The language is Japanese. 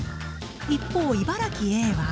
一方茨城Ａは。